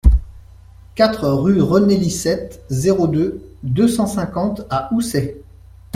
quatre rue René Licette, zéro deux, deux cent cinquante à Housset